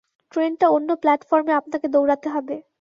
ট্রেনটা অন্য প্ল্যাটফর্মে আপনাকে দৌড়াতে হবে।